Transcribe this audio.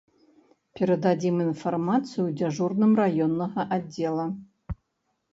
Перададзім інфармацыю дзяжурным раённага аддзела.